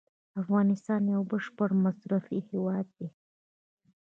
افغانستان یو بشپړ مصرفي هیواد دی.